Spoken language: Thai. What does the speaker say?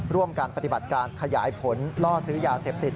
ร่วมการปฏิบัติการขยายผลล่อซื้อยาเสพติด